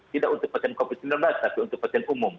tidak untuk pasien covid sembilan belas tapi untuk pasien umum